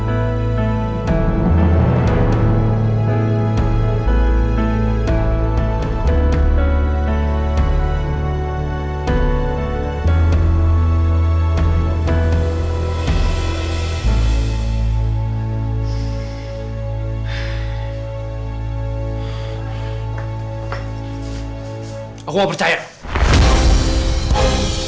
aku mau percaya